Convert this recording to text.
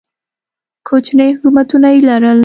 کوچني حکومتونه یې لرل.